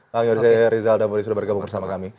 bang yoris rizal damuri sudah bergabung bersama kami